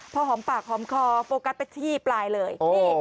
พอหอมปากหอมคอโฟกัสไปที่ปลายเลย